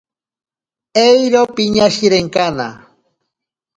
Eiro piñashirenkana.